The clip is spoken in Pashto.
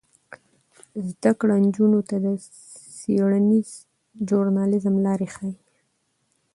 زده کړه نجونو ته د څیړنیز ژورنالیزم لارې ښيي.